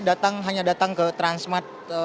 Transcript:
datang hanya datang ke transmart